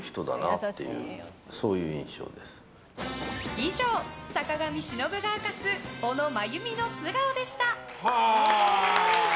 以上、坂上忍が明かす小野真弓の素顔でした。